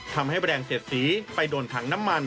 ทำให้แรงเสียดสีไปโดนถังน้ำมัน